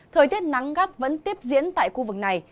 thời tiết nắng gắt vẫn tiếp diễn tại khu vực này